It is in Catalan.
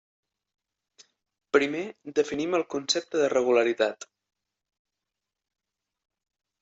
Primer, definim el concepte de regularitat.